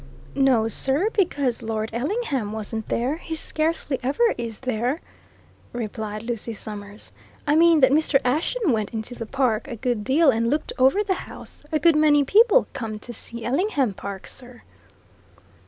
"No, sir, because Lord Ellingham wasn't there he scarcely ever is there," replied Lucy Summers. "I mean that Mr. Ashton went into the park a good deal and looked over the house a good many people come to see Ellingham Park, sir."